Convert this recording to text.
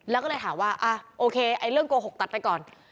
แล้วก็เลยถามว่าโอเคเรื่องโกหกตัดไปก่อน